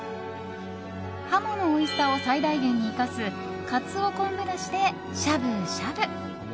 ハモのおいしさを最大限に生かすカツオ昆布だしでしゃぶしゃぶ。